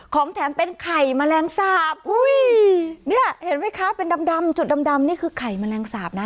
ของแถมเป็นไข่แมลงสาบอุ้ยเนี่ยเห็นไหมคะเป็นดำจุดดำนี่คือไข่แมลงสาปนะ